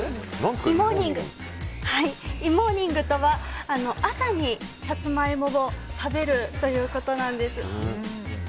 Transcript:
いもーにんぐとは朝に、さつまいもを食べるということなんです。